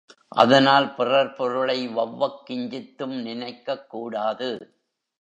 அதனால் பிறர் பொருளை வெளவக் கிஞ்சித்தும் நினைக்கக் கூடாது.